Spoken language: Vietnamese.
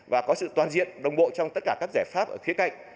và có sự toàn diện đồng bộ trong tất cả các giải pháp ở khía cạnh